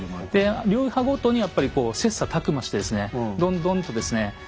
流派ごとにやっぱりこう切磋琢磨してですねどんどんとですね